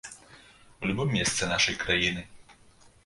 У любым месцы нашай краіны.